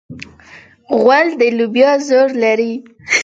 غول د لوبیا زور لري.